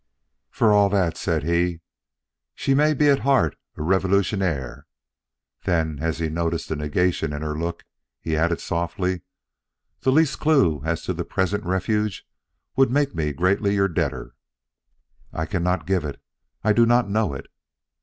"For all that," said he, "she may be at heart a révolutionnaire." Then, as he noticed the negation in her look, he added softly: "The least clue as to her present refuge would make me greatly your debtor." "I cannot give it; I do not know it."